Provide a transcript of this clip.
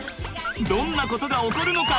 どんなことが起こるのか？